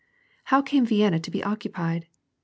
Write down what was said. " How came Vienna to be occupied